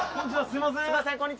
「すいません。